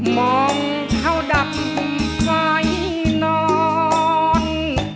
มองเขาดำไข่นอน